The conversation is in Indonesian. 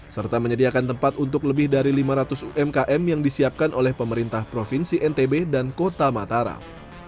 serta menyediakan tempat untuk lebih dari lima ratus umkm yang disiapkan oleh pemerintah provinsi ntb dan kota mataram